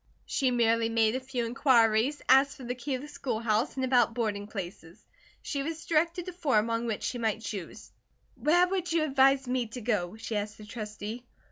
She merely made a few inquiries, asked for the key of the schoolhouse, and about boarding places. She was directed to four among which she might choose. "Where would you advise me to go?" she asked the Trustee.